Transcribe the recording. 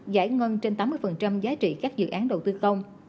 giải ngân trên tám mươi giá trị các dự án đầu tư công